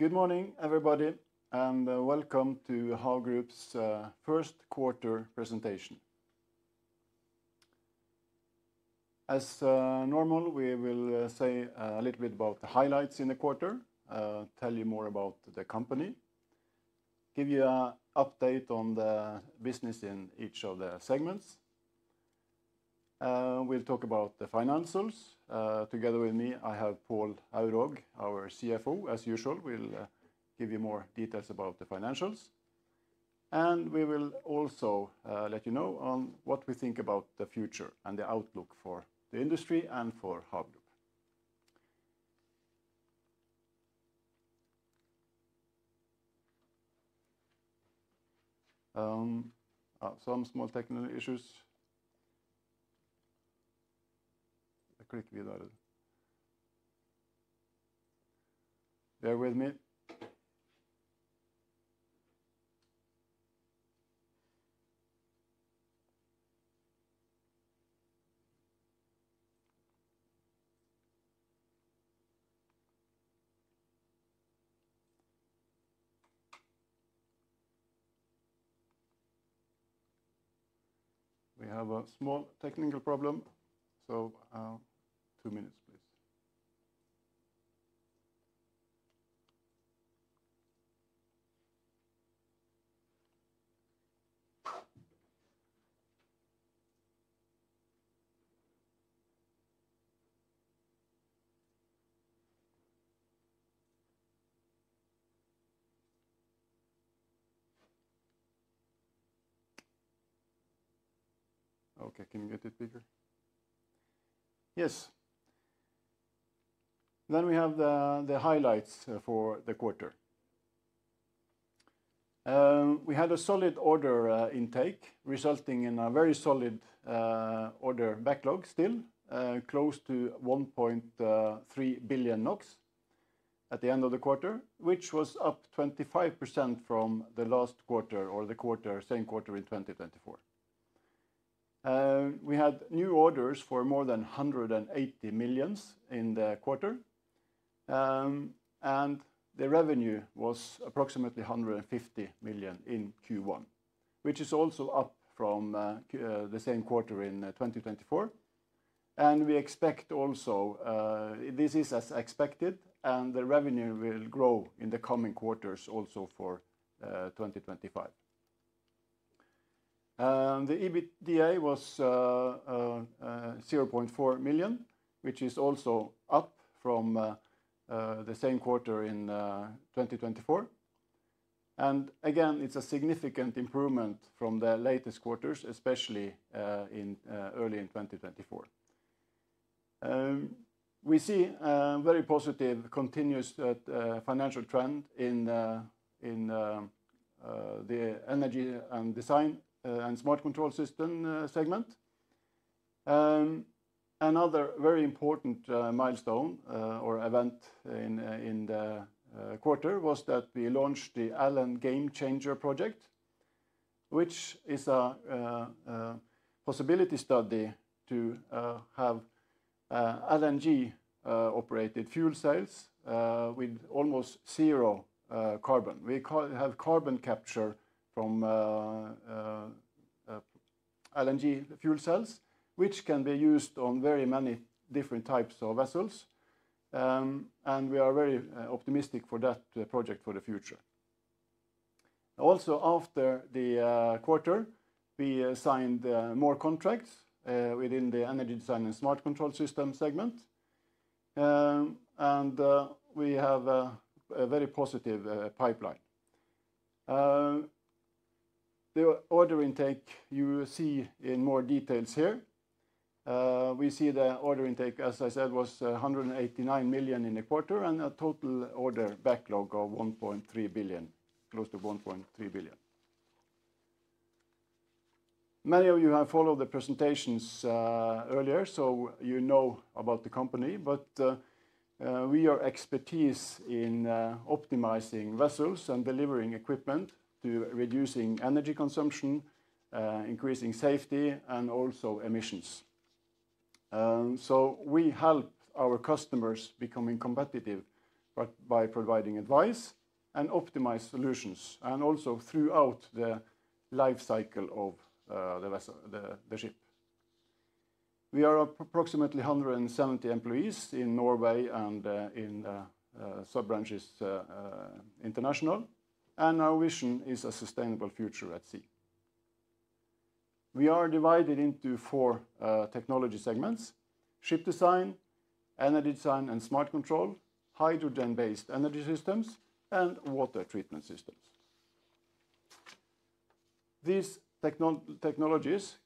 Good morning, everybody, and welcome to HAV Group's first quarter presentation. As normal, we will say a little bit about the highlights in the quarter, tell you more about the company, give you an update on the business in each of the segments. We'll talk about the financials. Together with me, I have Pål Aurvåg, our CFO. As usual, we'll give you more details about the financials. We will also let you know what we think about the future and the outlook for the industry and for HAV. Some small technical issues. Are you with me? We have a small technical problem, so two minutes, please. Okay, can you get it bigger? Yes. We have the highlights for the quarter. We had a solid order intake, resulting in a very solid order backlog still, close to 1.3 billion NOK at the end of the quarter, which was up 25% from the last quarter or the same quarter in 2024. We had new orders for more than 180 million in the quarter, and the revenue was approximately 150 million in Q1, which is also up from the same quarter in 2024. We expect also this is as expected, and the revenue will grow in the coming quarters also for 2025. The EBITDA was 0.4 million, which is also up from the same quarter in 2024. It is a significant improvement from the latest quarters, especially early in 2024. We see a very positive continuous financial trend in the energy and design and smart control system segment. Another very important milestone or event in the quarter was that we launched the LNGameChanger project, which is a possibility study to have LNG-operated fuel cells with almost zero carbon. We have carbon capture from LNG fuel cells, which can be used on very many different types of vessels. We are very optimistic for that project for the future. Also, after the quarter, we signed more contracts within the energy design and smart control system segment, and we have a very positive pipeline. The order intake you see in more details here. We see the order intake, as I said, was 189 million in the quarter and a total order backlog of 1.3 billion, close to 1.3 billion. Many of you have followed the presentations earlier, so you know about the company, but we are expertise in optimizing vessels and delivering equipment to reduce energy consumption, increase safety, and also emissions. We help our customers become competitive by providing advice and optimized solutions, and also throughout the life cycle of the ship. We are approximately 170 employees in Norway and in sub-branches international, and our vision is a sustainable future at sea. We are divided into four technology segments: ship design, energy design and smart control, hydrogen-based energy systems, and water treatment systems. These technologies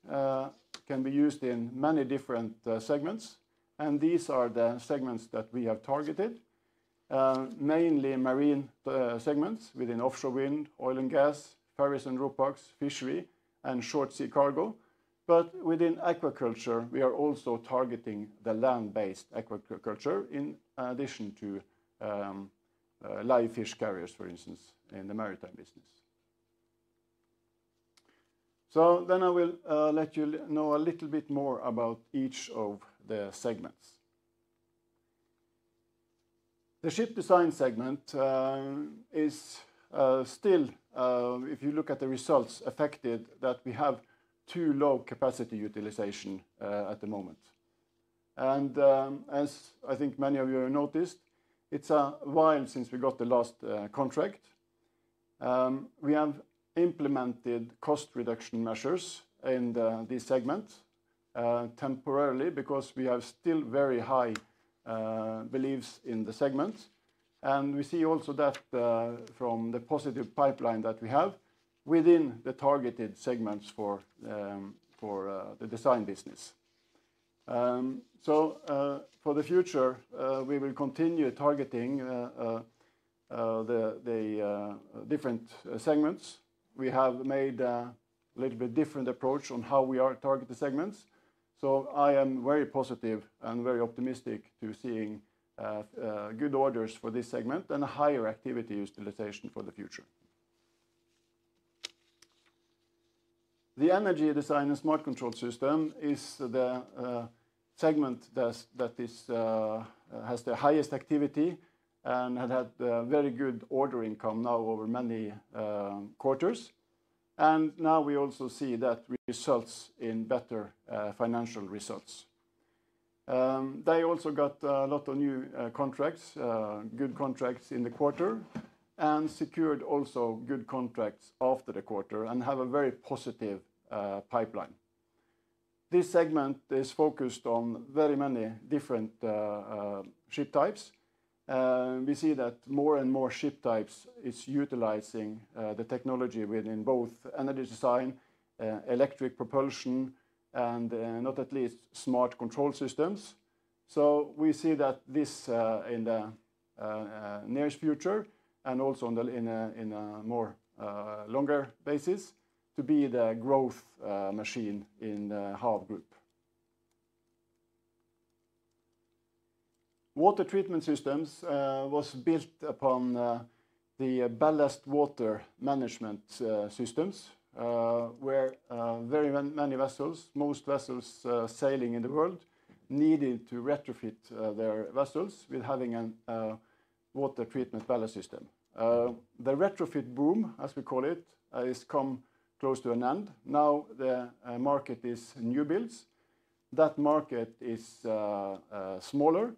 can be used in many different segments, and these are the segments that we have targeted, mainly marine segments within offshore wind, oil and gas, ferries and RoRo, fishery, and short sea cargo. Within aquaculture, we are also targeting the land-based aquaculture in addition to live fish carriers, for instance, in the maritime business. I will let you know a little bit more about each of the segments. The ship design segment is still, if you look at the results, affected that we have too low capacity utilization at the moment. As I think many of you have noticed, it's a while since we got the last contract. We have implemented cost reduction measures in these segments temporarily because we have still very high beliefs in the segments. We see also that from the positive pipeline that we have within the targeted segments for the design business. For the future, we will continue targeting the different segments. We have made a little bit different approach on how we target the segments. I am very positive and very optimistic to seeing good orders for this segment and higher activity utilization for the future. The energy design and smart control system is the segment that has the highest activity and had very good ordering come now over many quarters. Now we also see that results in better financial results. They also got a lot of new contracts, good contracts in the quarter, and secured also good contracts after the quarter and have a very positive pipeline. This segment is focused on very many different ship types. We see that more and more ship types are utilizing the technology within both energy design, electric propulsion, and not at least smart control systems. We see that this in the nearest future and also in a more longer basis to be the growth machine in HAV Group. Water treatment systems were built upon the ballast water management systems where very many vessels, most vessels sailing in the world, needed to retrofit their vessels with having a water treatment ballast system. The retrofit boom, as we call it, has come close to an end. Now the market is new builds. That market is smaller.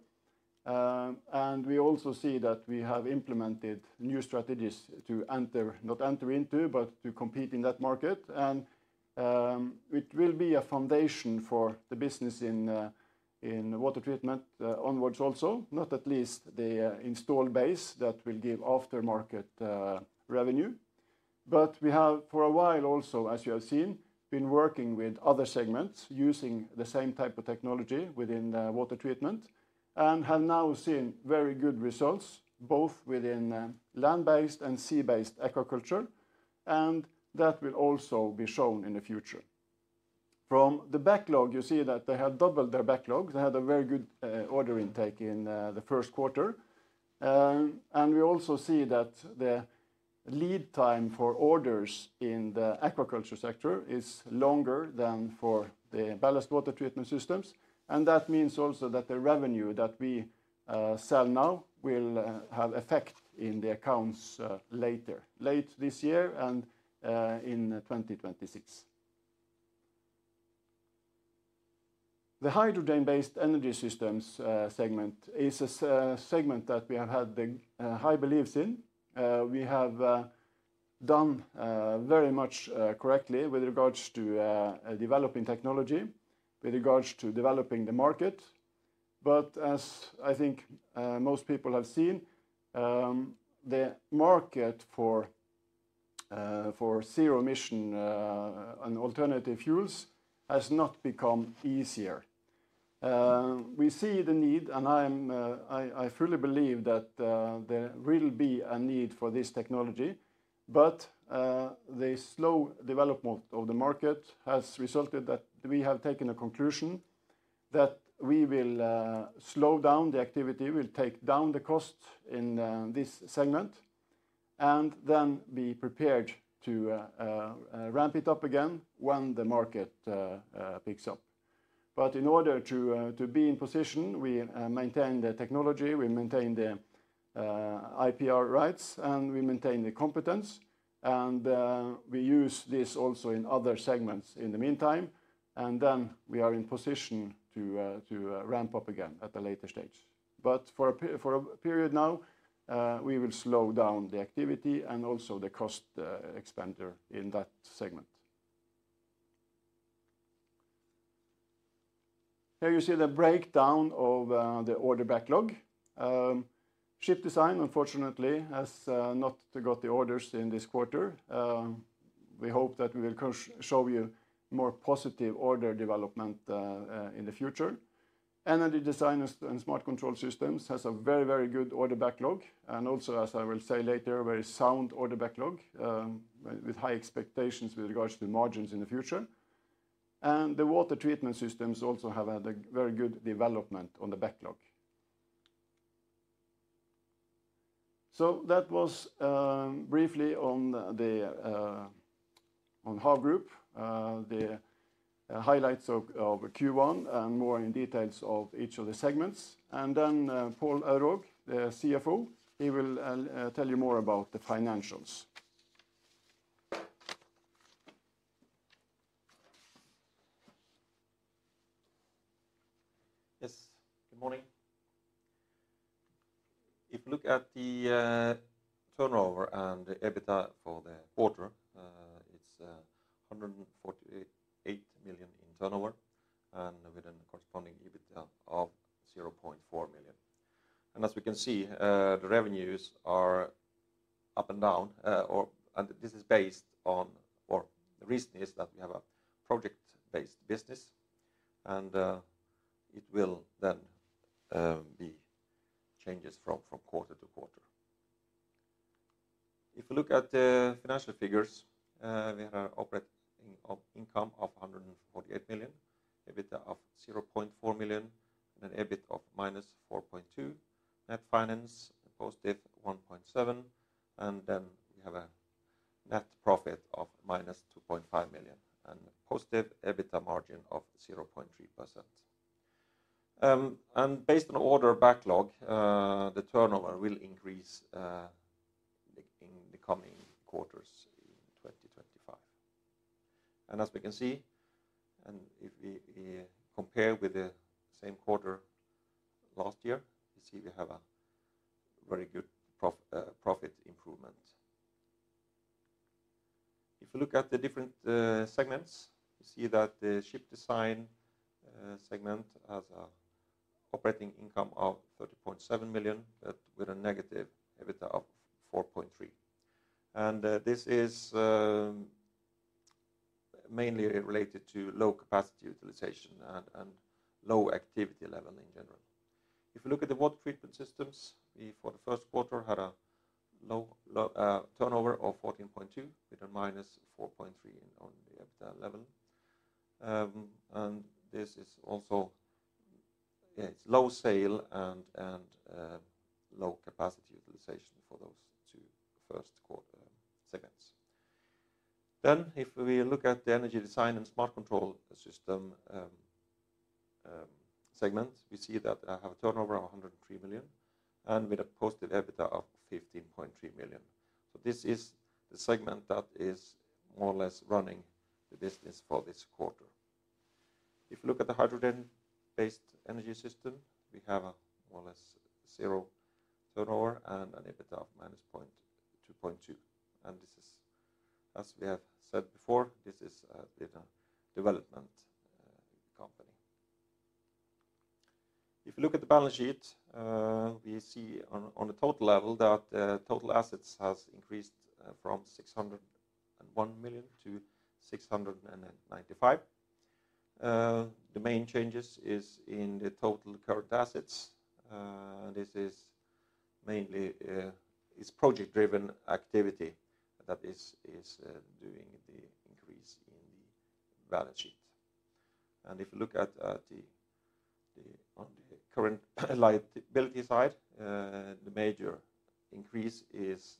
We also see that we have implemented new strategies to not enter into, but to compete in that market. It will be a foundation for the business in water treatment onwards also, not at least the installed base that will give aftermarket revenue. We have for a while also, as you have seen, been working with other segments using the same type of technology within water treatment and have now seen very good results both within land-based and sea-based aquaculture. That will also be shown in the future. From the backlog, you see that they have doubled their backlog. They had a very good order intake in the first quarter. We also see that the lead time for orders in the aquaculture sector is longer than for the ballast water treatment systems. That means also that the revenue that we sell now will have an effect in the accounts later, late this year and in 2026. The hydrogen-based energy systems segment is a segment that we have had high beliefs in. We have done very much correctly with regards to developing technology, with regards to developing the market. As I think most people have seen, the market for zero emission and alternative fuels has not become easier. We see the need, and I truly believe that there will be a need for this technology. The slow development of the market has resulted that we have taken a conclusion that we will slow down the activity, we'll take down the costs in this segment, and then be prepared to ramp it up again when the market picks up. In order to be in position, we maintain the technology, we maintain the IPR rights, and we maintain the competence. We use this also in other segments in the meantime. We are in position to ramp up again at a later stage. For a period now, we will slow down the activity and also the cost expenditure in that segment. Here you see the breakdown of the order backlog. Ship design, unfortunately, has not got the orders in this quarter. We hope that we will show you more positive order development in the future. Energy design and smart control systems have a very, very good order backlog, and also, as I will say later, a very sound order backlog with high expectations with regards to margins in the future. The water treatment systems also have a very good development on the backlog. That was briefly on HAV Group, the highlights of Q1 and more in details of each of the segments. Pål Aurvåg, the CFO, will tell you more about the financials. Yes, good morning. If we look at the turnover and the EBITDA for the quarter, it is 148 million in turnover and with a corresponding EBITDA of 0.4 million. As we can see, the revenues are up and down. This is based on, or the reason is that we have a project-based business, and it will then be changes from quarter to quarter. If we look at the financial figures, we have an operating income of 148 million, EBITDA of 0.4 million, and an EBIT of minus 4.2 million. Net finance, positive 1.7 million. We have a net profit of minus 2.5 million and positive EBITDA margin of 0.3%. Based on order backlog, the turnover will increase in the coming quarters in 2025. As we can see, and if we compare with the same quarter last year, you see we have a very good profit improvement. If we look at the different segments, you see that the ship design segment has an operating income of 30.7 million with a negative EBITDA of 4.3 million. This is mainly related to low capacity utilization and low activity level in general. If we look at the water treatment systems, we for the first quarter had a turnover of 14.2 million with a minus 4.3 million on the EBITDA level. This is also, yeah, it's low sale and low capacity utilization for those two first quarter segments. If we look at the energy design and smart control system segment, we see that I have a turnover of 103 million and with a positive EBITDA of 15.3 million. This is the segment that is more or less running the business for this quarter. If we look at the hydrogen-based energy system, we have a more or less zero turnover and an EBITDA of minus 0.2 million. This is, as we have said before, this is a development company. If we look at the balance sheet, we see on the total level that the total assets have increased from 601 million to 695 million. The main changes are in the total current assets. This is mainly project-driven activity that is doing the increase in the balance sheet. If we look at the current liability side, the major increase is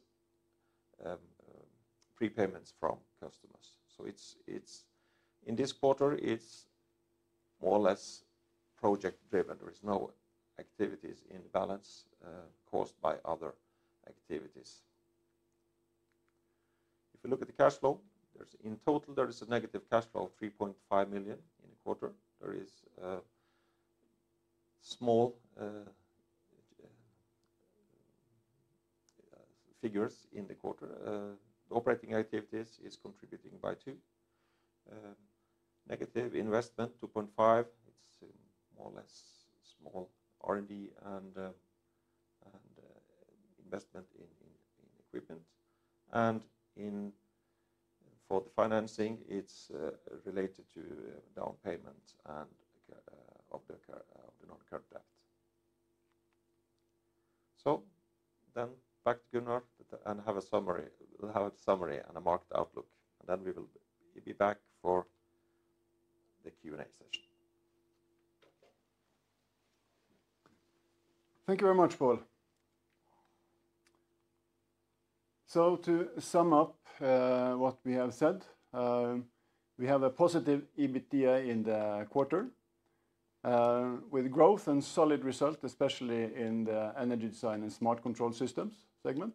prepayments from customers. In this quarter, it is more or less project-driven. There are no activities in the balance caused by other activities. If we look at the cash flow, in total, there is a negative cash flow of 3.5 million in the quarter. There are small figures in the quarter. The operating activities are contributing by two. Negative investment, 2.5 million, it is more or less small R&D and investment in equipment. For the financing, it is related to down payment of the non-current debt. Back to Gunnar and have a summary and a market outlook. We will be back for the Q&A session. Thank you very much, Pål. To sum up what we have said, we have a positive EBITDA in the quarter with growth and solid results, especially in the energy design and smart control systems segment.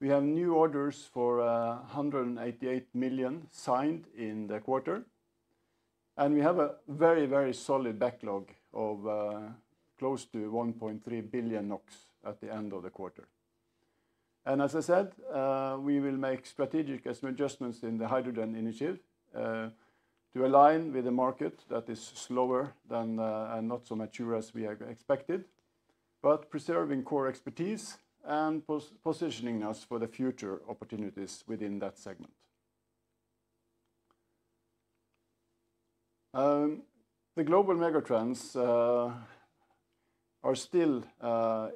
We have new orders for 188 million signed in the quarter. We have a very, very solid backlog of close to 1.3 billion NOK at the end of the quarter. As I said, we will make strategic adjustments in the hydrogen initiative to align with the market that is slower and not so mature as we had expected, but preserving core expertise and positioning us for future opportunities within that segment. The global megatrends are still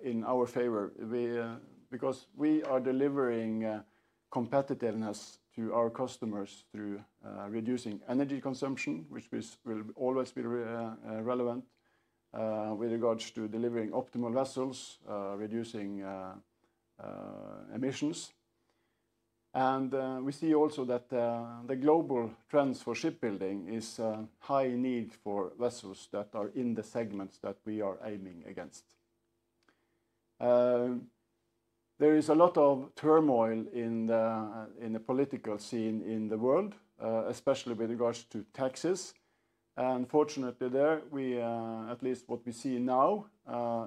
in our favor because we are delivering competitiveness to our customers through reducing energy consumption, which will always be relevant with regards to delivering optimal vessels, reducing emissions. We see also that the global trends for shipbuilding are a high need for vessels that are in the segments that we are aiming against. There is a lot of turmoil in the political scene in the world, especially with regards to taxes. Fortunately, at least what we see now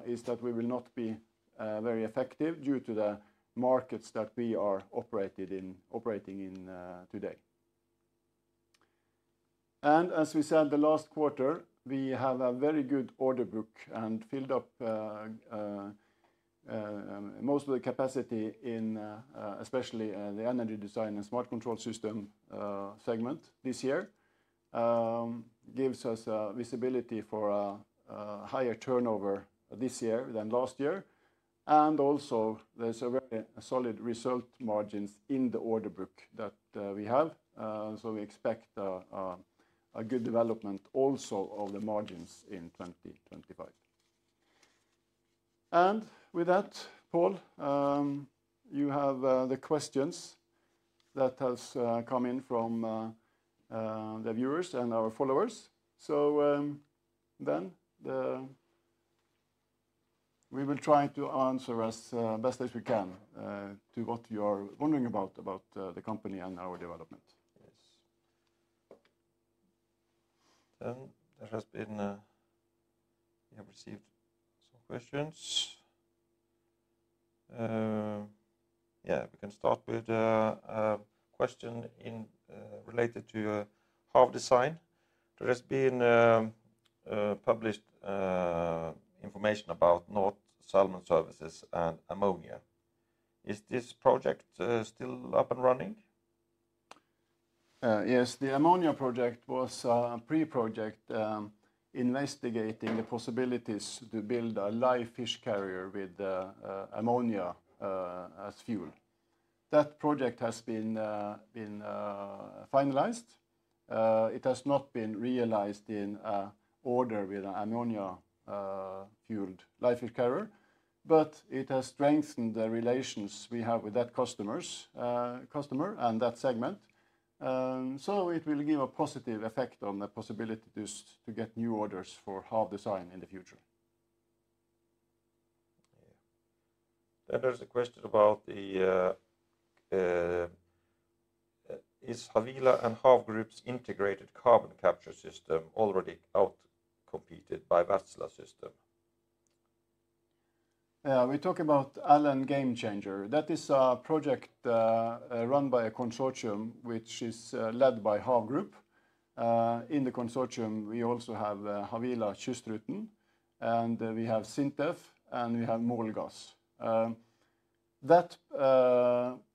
is that we will not be very affected due to the markets that we are operating in today. As we said, the last quarter, we have a very good order book and filled up most of the capacity, especially in the energy design and smart control system segment this year. It gives us visibility for a higher turnover this year than last year. Also, there is a very solid result margin in the order book that we have. We expect a good development also of the margins in 2025. With that, Pål, you have the questions that have come in from the viewers and our followers. We will try to answer as best as we can to what you are wondering about the company and our development. Yes. There has been, we have received some questions. Yeah, we can start with a question related to HAV design. There has been published information about North Salmon Services and ammonia. Is this project still up and running? Yes, the ammonia project was a pre-project investigating the possibilities to build a live fish carrier with ammonia as fuel. That project has been finalized. It has not been realized in order with an ammonia-fueled live fish carrier, but it has strengthened the relations we have with that customer and that segment. It will give a positive effect on the possibility to get new orders for HAV design in the future. Yeah. There is a question about the, is Havila and HAV Group's integrated carbon capture system already outcompeted by Wärtsilä's system? Yeah, we talk about LNGameChanger. That is a project run by a consortium which is led by HAV Group. In the consortium, we also have Havila Kystruten, and we have SINTEF, and we have Molgas. That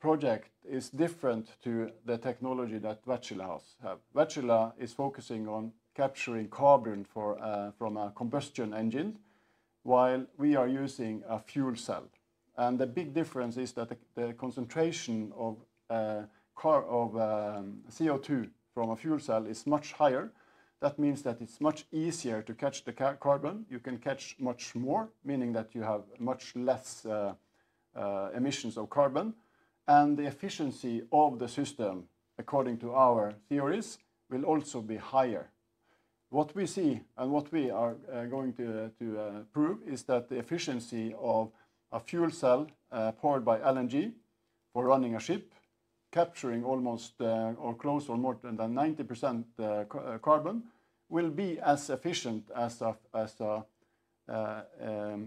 project is different from the technology that Wärtsilä has. Wärtsilä is focusing on capturing carbon from a combustion engine, while we are using a fuel cell. The big difference is that the concentration of CO2 from a fuel cell is much higher. That means that it is much easier to catch the carbon. You can catch much more, meaning that you have much less emissions of carbon. The efficiency of the system, according to our theories, will also be higher. What we see and what we are going to prove is that the efficiency of a fuel cell powered by LNG for running a ship, capturing almost or close to more than 90% carbon, will be as efficient as a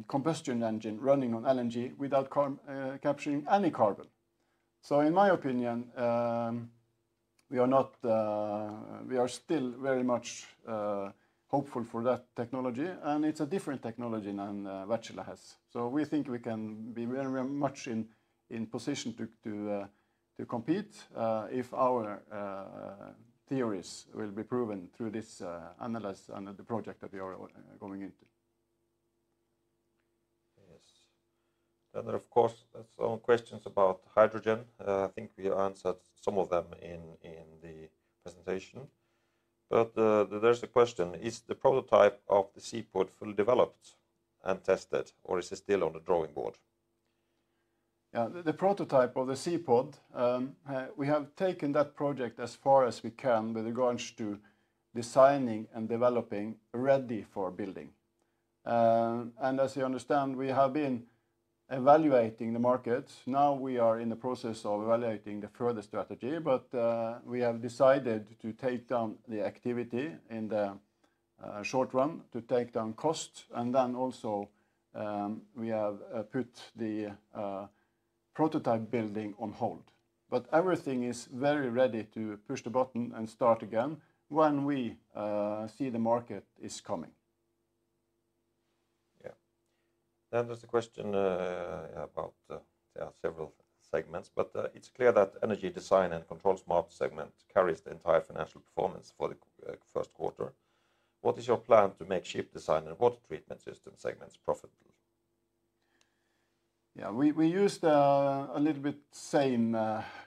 combustion engine running on LNG without capturing any carbon. In my opinion, we are still very much hopeful for that technology, and it is a different technology than Wärtsilä has. We think we can be very much in position to compete if our theories will be proven through this analysis and the project that we are going into. Yes. There are, of course, some questions about hydrogen. I think we answered some of them in the presentation. There's a question: is the prototype of the ZEPOD fully developed and tested, or is it still on the drawing board? Yeah, the prototype of the ZEPOD, we have taken that project as far as we can with regards to designing and developing ready for building. As you understand, we have been evaluating the markets. Now we are in the process of evaluating the further strategy. We have decided to take down the activity in the short run, to take down costs. We have also put the prototype building on hold. Everything is very ready to push the button and start again when we see the market is coming. Yeah. There's a question about several segments, but it's clear that energy design and control smart segment carries the entire financial performance for the first quarter. What is your plan to make ship design and water treatment system segments profitable? Yeah, we used a little bit the same.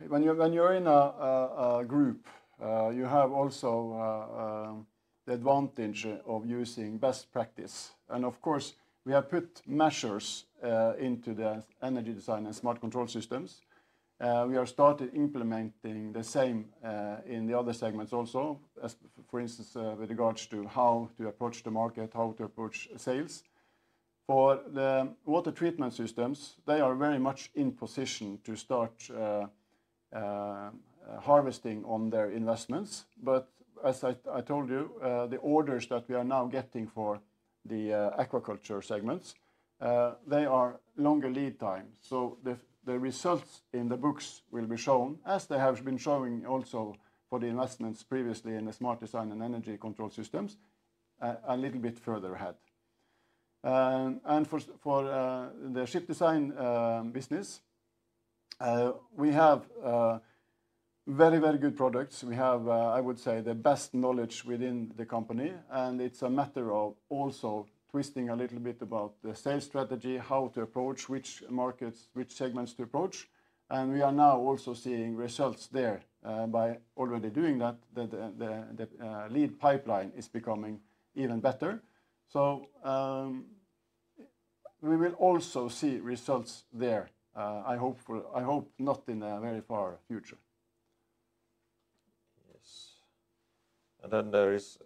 When you're in a group, you have also the advantage of using best practice. Of course, we have put measures into the energy design and smart control systems. We are starting implementing the same in the other segments also, for instance, with regards to how to approach the market, how to approach sales. For the water treatment systems, they are very much in position to start harvesting on their investments. As I told you, the orders that we are now getting for the aquaculture segments, they are longer lead times. The results in the books will be shown, as they have been showing also for the investments previously in the smart design and energy control systems, a little bit further ahead. For the ship design business, we have very, very good products. We have, I would say, the best knowledge within the company. It is a matter of also twisting a little bit about the sales strategy, how to approach which markets, which segments to approach. We are now also seeing results there. By already doing that, the lead pipeline is becoming even better. We will also see results there, I hope not in the very far future. Yes. There is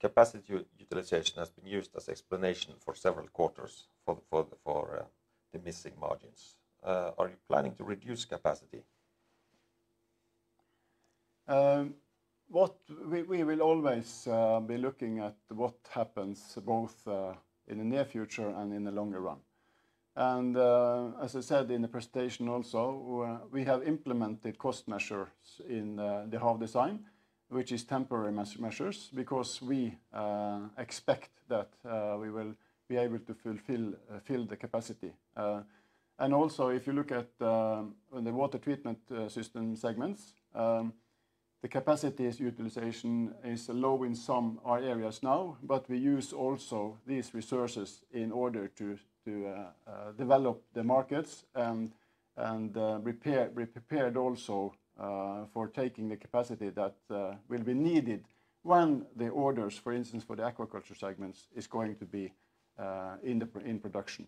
capacity utilization that has been used as explanation for several quarters for the missing margins. Are you planning to reduce capacity? We will always be looking at what happens both in the near future and in the longer run. As I said in the presentation also, we have implemented cost measures in the HAV design, which are temporary measures because we expect that we will be able to fill the capacity. Also, if you look at the water treatment system segments, the capacity utilization is low in some areas now, but we use also these resources in order to develop the markets and be prepared also for taking the capacity that will be needed when the orders, for instance, for the aquaculture segments are going to be in production.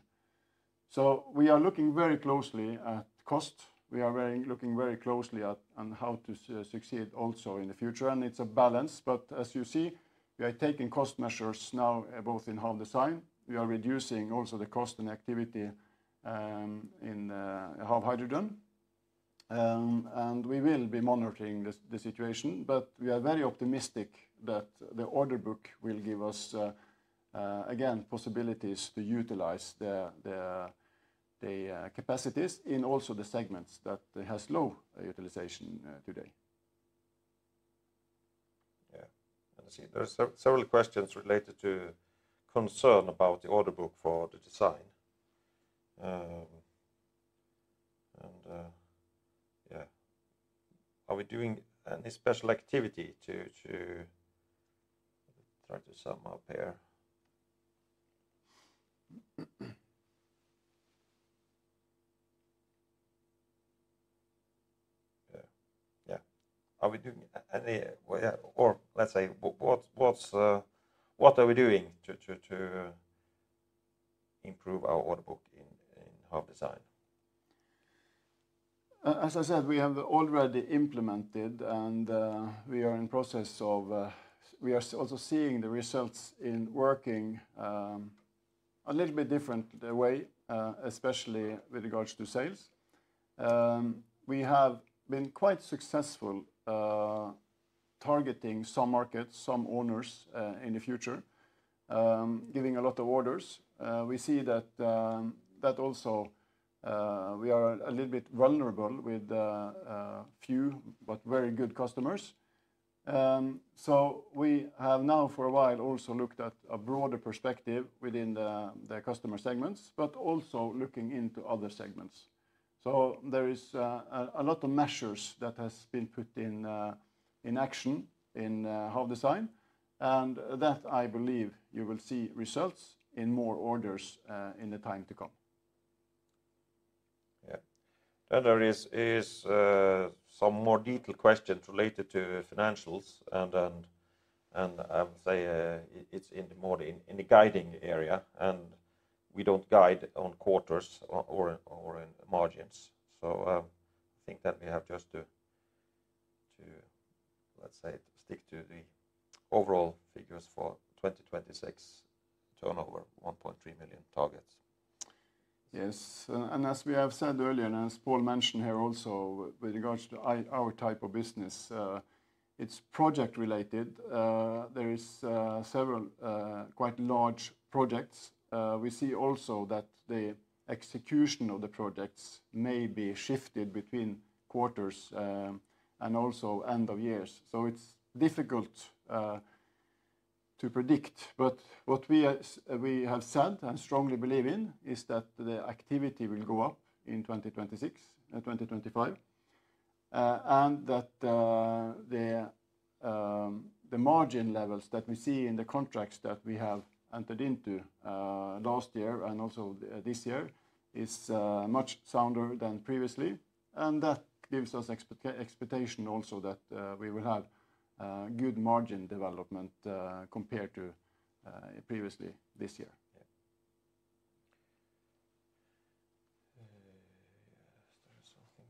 We are looking very closely at cost. We are looking very closely at how to succeed also in the future. It's a balance. As you see, we are taking cost measures now both in HAV design. We are reducing also the cost and activity in HAV hydrogen. We will be monitoring the situation, but we are very optimistic that the order book will give us, again, possibilities to utilize the capacities in also the segments that have low utilization today. Yeah. I see there are several questions related to concern about the order book for the design. Yeah. Are we doing any special activity to try to sum up here? Yeah. Yeah. Are we doing any? Or let's say, what are we doing to improve our order book in HAV design? As I said, we have already implemented, and we are in the process of, we are also seeing the results in working a little bit different way, especially with regards to sales. We have been quite successful targeting some markets, some owners in the future, giving a lot of orders. We see that also we are a little bit vulnerable with few but very good customers. We have now for a while also looked at a broader perspective within the customer segments, but also looking into other segments. There are a lot of measures that have been put in action in HAV design. I believe you will see results in more orders in the time to come. Yeah. There are some more detailed questions related to financials. I would say it's more in the guiding area. We do not guide on quarters or margins. I think that we have just to, let's say, stick to the overall figures for 2026 turnover, 1.3 million target. Yes. As we have said earlier, and as Pål mentioned here also with regards to our type of business, it's project-related. There are several quite large projects. We see also that the execution of the projects may be shifted between quarters and also end of years. It is difficult to predict. What we have said and strongly believe in is that the activity will go up in 2026 and 2025. The margin levels that we see in the contracts that we have entered into last year and also this year are much sounder than previously. That gives us expectation also that we will have good margin development compared to previously this year. Yeah. There is something.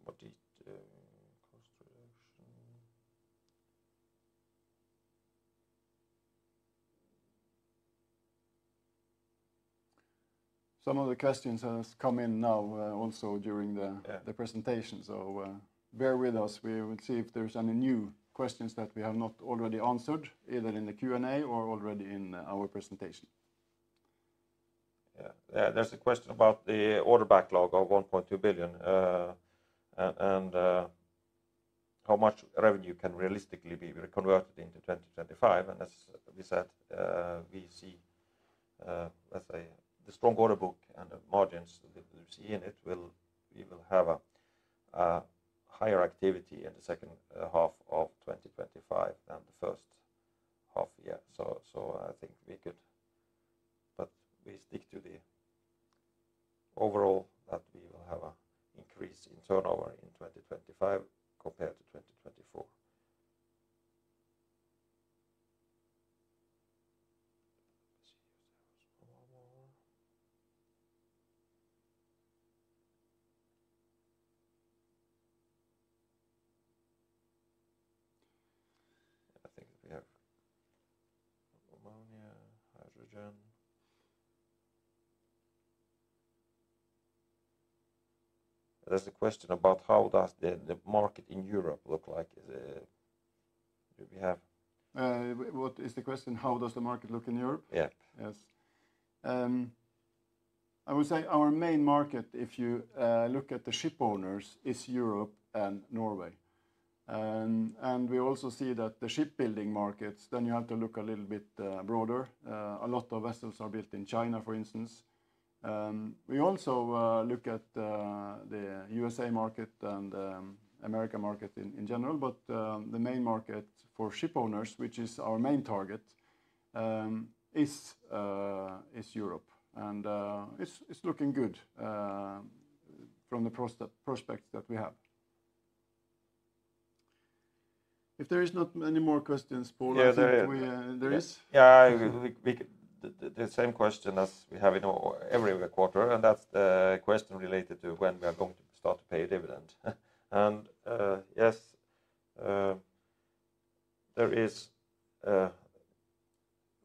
There are some new questions. It is more detailed cost reduction. Some of the questions have come in now also during the presentation. Bear with us. We will see if there are any new questions that we have not already answered, either in the Q&A or already in our presentation. Yeah. There's a question about the order backlog of 1.2 billion and how much revenue can realistically be converted into 2025. As we said, we see, let's say, the strong order book and the margins we see in it, we will have a higher activity in the second half of 2025 than the first half year. I think we could, but we stick to the overall that we will have an increase in turnover in 2025 compared to 2024. I think that we have ammonia, hydrogen. There's a question about how does the market in Europe look like. Do we have? What is the question? How does the market look in Europe? Yes. I would say our main market, if you look at the ship owners, is Europe and Norway. We also see that the shipbuilding markets, then you have to look a little bit broader. A lot of vessels are built in China, for instance. We also look at the U.S.A. market and the American market in general, but the main market for ship owners, which is our main target, is Europe. It is looking good from the prospects that we have. If there are not any more questions, Pål, I think there is. Yeah, the same question as we have in every quarter. That is the question related to when we are going to start to pay dividend. Yes, there is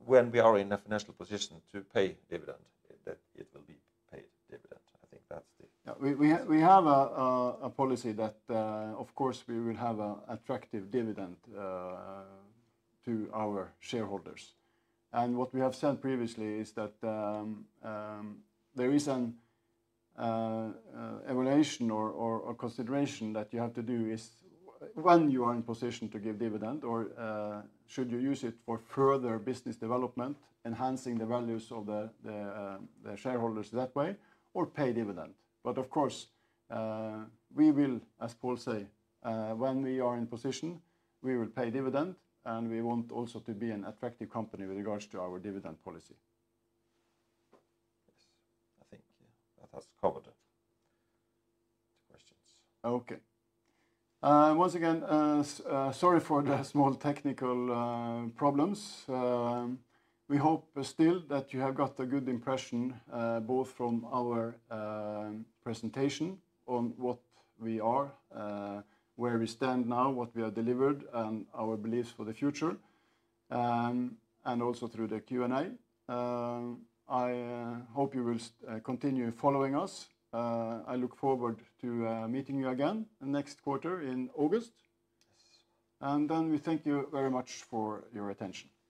when we are in a financial position to pay dividend, that it will be paid dividend. I think that is the. We have a policy that, of course, we will have an attractive dividend to our shareholders. What we have said previously is that there is an evaluation or consideration that you have to do when you are in position to give dividend or should you use it for further business development, enhancing the values of the shareholders that way or pay dividend. Of course, we will, as Pål says, when we are in position, we will pay dividend and we want also to be an attractive company with regards to our dividend policy. Yes. I think that has covered it. The questions. Okay. Once again, sorry for the small technical problems. We hope still that you have got a good impression both from our presentation on what we are, where we stand now, what we have delivered, and our beliefs for the future. Also through the Q&A. I hope you will continue following us. I look forward to meeting you again next quarter in August. We thank you very much for your attention.